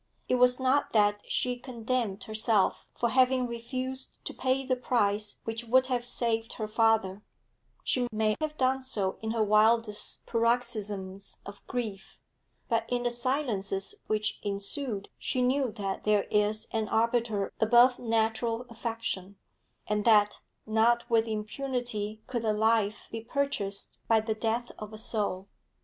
It was not that she condemned herself for having refused to pay the price which would have saved her father; she may have done so in her wildest paroxysms of grief, but in the silences which ensued she knew that there is an arbiter above natural affection, and that not with impunity could a life be purchased by the death of a soul.